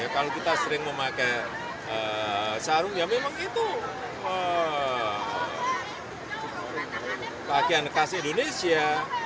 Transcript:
kalau kita sering memakai sarung ya memang itu pakaian khas indonesia